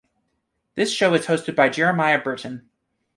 This show is hosted by Jeremiah Burton.